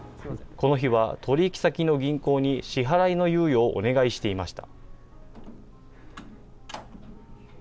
この日は取り引き先の銀行に支払いの猶予をお願いしていました。